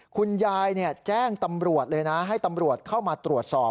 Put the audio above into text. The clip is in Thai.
คุณยายแจ้งตำรวจเลยนะให้ตำรวจเข้ามาตรวจสอบ